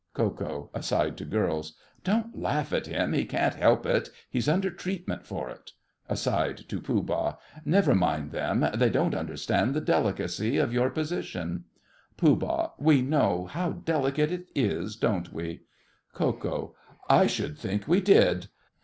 KO. (aside to girls). Don't laugh at him, he can't help it—he's under treatment for it. (Aside to Pooh Bah.) Never mind them, they don't understand the delicacy of your position. POOH. We know how delicate it is, don't we? KO. I should think we did!